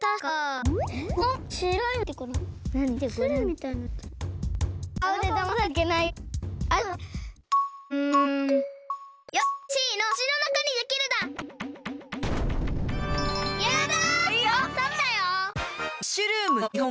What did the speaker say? うん？